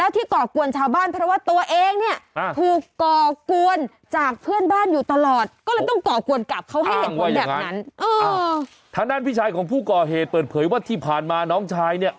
ทางด้านพี่ชายของผู้ก่อเหตุเปิดเผยว่าที่ผ่านมาน้องชายเนี่ย